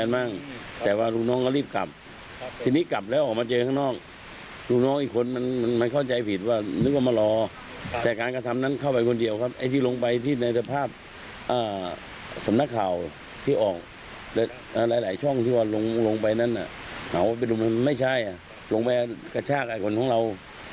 ไม่ใช่ลงไปกระชากแอดคนของเรา